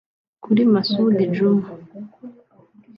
Kuri Masudi Djuma